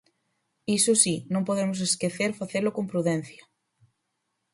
Iso si, non podemos esquecer facelo con prudencia.